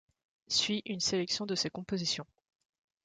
Suit, une sélection de ses compositions.